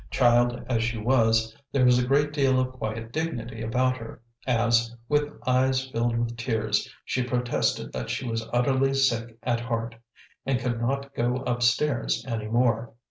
Child as she was, there was a great deal of quiet dignity about her, as, with eyes filled with tears, she protested that she was utterly sick at heart, and could not go up stairs any more.